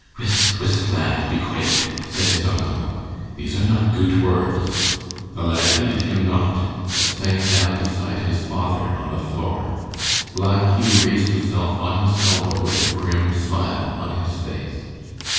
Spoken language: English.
"Whist, whist, lad! be quate!" said his uncle; "these are not goot words." The lad heeded him not, but sank down beside his father on the floor. Black Hugh raised himself on his elbow with a grim smile on his face.